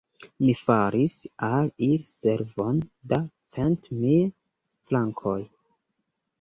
Mi faris al ili servon da cent mil frankoj!